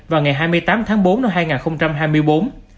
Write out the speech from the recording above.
vào ngày hai mươi tám tháng bốn năm hai nghìn hai mươi bốn